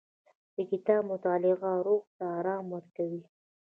د کتاب مطالعه روح ته ارام ورکوي.